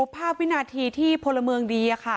ภาพวินาทีที่โพลเมิงดี